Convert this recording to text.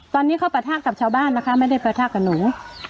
ตอนนี้เขาปะทะกับชาวบ้านนะคะไม่ได้ประทะกับหนู